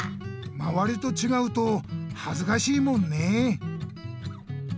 まわりとちがうとはずかしいもんねえ。